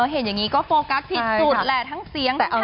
เห็นอย่างนี้ก็โฟกัสผิดจุดแหละทั้งเสียง